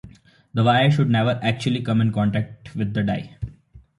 The wire should never actually come in contact with the die.